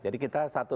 jadi kita satu